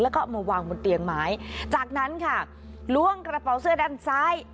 แล้วก็เอามาวางบนเตียงไม้จากนั้นค่ะล้วงกระเป๋าเสื้อด้านซ้าย